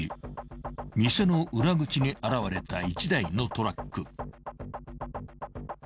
［店の裏口に現れた１台のトラック］